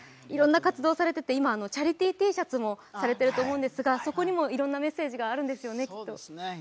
いろんな活動されてて今チャリティーＴシャツもされていると思うんですがそこにもいろいろなメッセージがきっとあるんですよね？